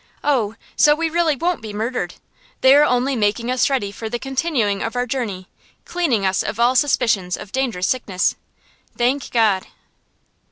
Oh, so we really won't be murdered! They are only making us ready for the continuing of our journey, cleaning us of all suspicions of dangerous sickness. Thank God!